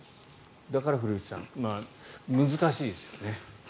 だから古内さん難しいですよね。